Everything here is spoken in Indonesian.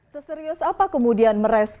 seserius apa kemudian merespon